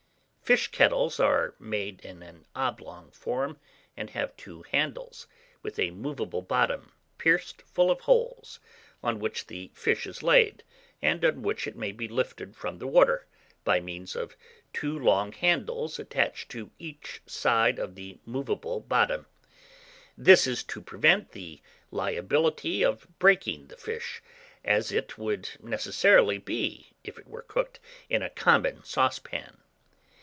] FISH KETTLES are made in an oblong form, and have two handles, with a movable bottom, pierced full of holes, on which the fish is laid, and on which it may be lifted from the water, by means of two long handles attached to each side of the movable bottom. This is to prevent the liability of breaking the fish, as it would necessarily be if it were cooked in a common saucepan.